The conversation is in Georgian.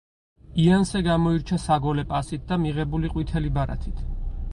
იანსე გამოირჩა საგოლე პასით და მიღებული ყვითელი ბარათით.